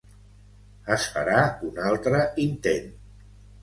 Es farà un altre intent.